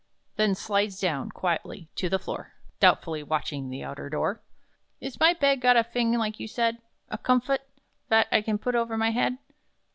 Then slides down, quietly, to the floor, Doubtfully watching the outer door. She says, "Is my bed got a fing like you said A 'comfut' vat I can put over my head?"